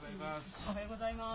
おはようございます。